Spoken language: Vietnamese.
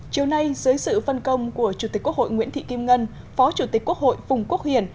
chiều nay dưới sự phân công của chủ tịch quốc hội nguyễn thị kim ngân phó chủ tịch quốc hội phùng quốc hiển